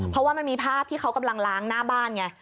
เพราะว่ามันมีภาพที่เขากำลังล้างหน้าบ้านไง